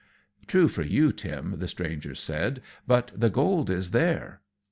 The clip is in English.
"True for you, Tim," the stranger said, "but the gold is there."